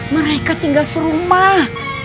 mereka tinggal serumah